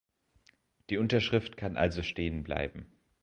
Die Unterschrift kann also stehenbleiben.